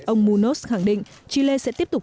ông munoz khẳng định chile sẽ tiếp tục